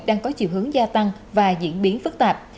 đang có chiều hướng gia tăng và diễn biến phức tạp